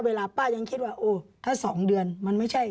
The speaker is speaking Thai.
เวลาป้ายังคิดว่าโอ้ถ้า๒เดือนมันไม่ใช่